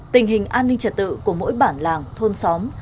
tình hình an ninh trật tự của mỗi bản làng thôn xóm